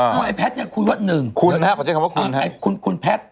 พอไอ้แพทย์เนี่ยคุยว่า๑